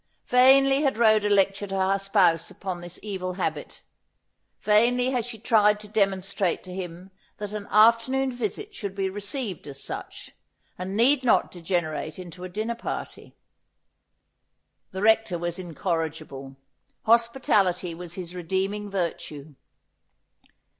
Vainly had Rhoda lectured her spouse upon this evil habit, vainly had she tried to demonstrate to him that an afternoon visit should be received as such, and need not degenerate into a dinner party. The Rector was incorrigible. Hospitality was his redeeming virtue.